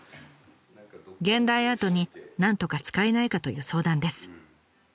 現代アートになんとか使えないかという相談です。